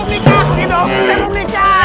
saya belum nikah